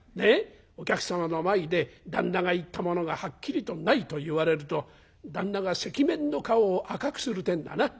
お客様の前で旦那が言ったものがはっきりとないと言われると旦那が赤面の顔を赤くするってんだな。